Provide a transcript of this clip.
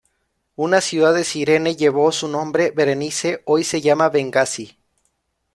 Una ciudad de Cirene llevó su nombre, Berenice; hoy se llama Bengasi.